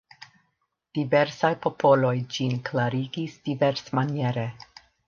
Diversaj popoloj ĝin klarigis diversmaniere.